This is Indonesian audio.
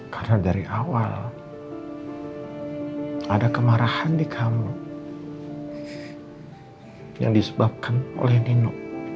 karena dari awal ada kemarahan di kamu yang disebabkan oleh nino